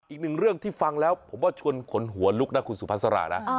อีกหนึ่งเรื่องที่ฟังแล้วผมว่าชวนขนหัวลุกนะคุณสุภาษานะ